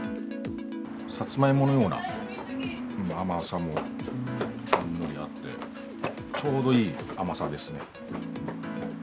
さつまいものような甘さもほんのりあって、ちょうどいい甘さですね。